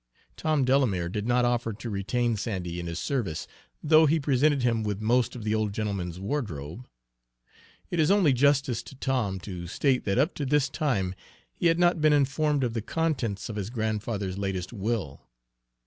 Tom Delamere did not offer to retain Sandy in his service, though he presented him with most of the old gentleman's wardrobe. It is only justice to Tom to state that up to this time he had not been informed of the contents of his grandfather's latest will.